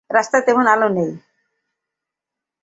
রাস্তায় তেমন আলো নেই।